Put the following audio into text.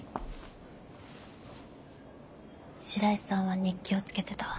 白井さんは日記をつけてた。